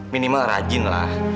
minimal rajin lah